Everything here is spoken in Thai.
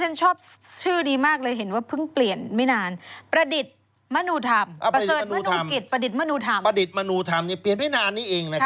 นี่นี่ชบชื่อดีมากเลยเห็นว่าเพิ่งเปลี่ยนไม่นาน